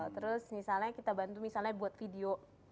terus misalnya kita bantu misalnya buat video